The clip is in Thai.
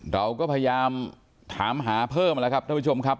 เราก็พยายามถามหาเพิ่มแล้วครับท่านผู้ชมครับ